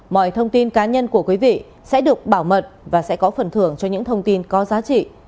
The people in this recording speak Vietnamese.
mọi thông tin cá nhân của quý vị sẽ được bảo mật và sẽ có phần thưởng cho những thông tin có giá trị